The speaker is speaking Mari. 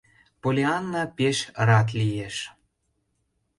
Поллианна... пеш рат лиеш!